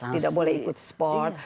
tidak boleh ikut sport